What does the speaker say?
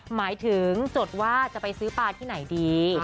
หมายถึงจดว่าจะไปซื้อปลาที่ไหนดี